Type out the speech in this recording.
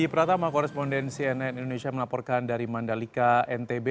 di pratama koresponden cnn indonesia melaporkan dari mandalika ntb